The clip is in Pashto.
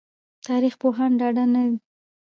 تاريخ پوهان ډاډه نه دي